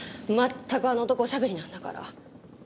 まったくあの男おしゃべりなんだから。